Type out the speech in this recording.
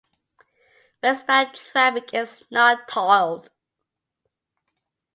Westbound traffic is not tolled.